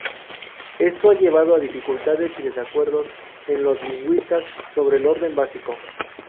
Esto ha llevado a dificultades y desacuerdos en los lingüistas sobre el orden básico.